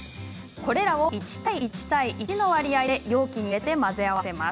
これらを１：１：１の割合で容器に入れて混ぜ合わせます。